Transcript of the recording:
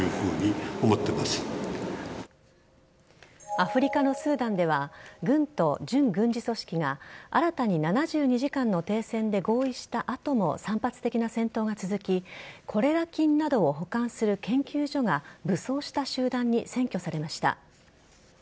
アフリカのスーダンでは軍と準軍事組織が新たに７２時間の停戦で合意した後も散発的な戦闘が続きコレラ菌などを保管する研究所が武装した集団に占拠されました。